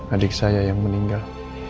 adik saya yang meninggal